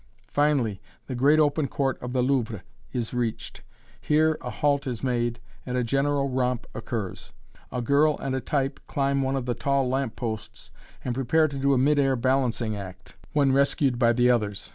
Finally the great open court of the Louvre is reached here a halt is made and a general romp occurs. A girl and a type climb one of the tall lamp posts and prepare to do a mid air balancing act, when rescued by the others.